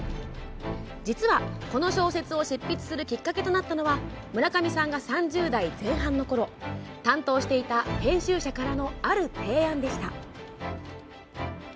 実は、この小説を執筆するきっかけとなったのは村上さんが３０代前半のころ担当していた編集者からのある提案でした。